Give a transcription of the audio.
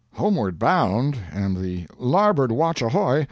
"Homeward Bound" and the "Larboard Watch Ahoy!"